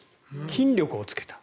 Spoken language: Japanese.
筋力をつけた。